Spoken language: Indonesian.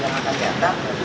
dan akan datang